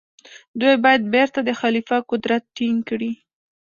دوی باید بيرته د خليفه قدرت ټينګ کړي.